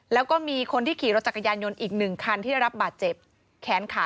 แล้วก็มีคนที่ขี่รถจักรยานยนต์อีกหนึ่งคันที่ได้รับบาดเจ็บแขนขา